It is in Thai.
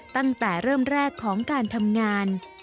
ตั้งแต่เริ่มแรกของการทำงาน